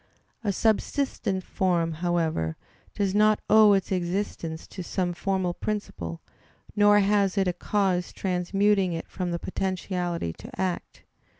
A subsistent form, however, does not owe its existence to some formal principle, nor has it a cause transmuting it from potentiality to act.